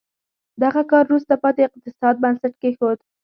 دغه کار وروسته پاتې اقتصاد بنسټ کېښود.